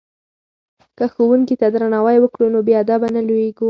که ښوونکي ته درناوی وکړو نو بې ادبه نه لویږو.